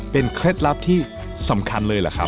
เป็นเคล็ดลับที่สำคัญเลยเหรอครับ